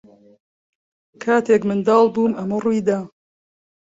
کاتێک منداڵ بووم ئەمە ڕووی دا.